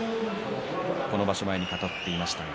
この場所前に語っていました。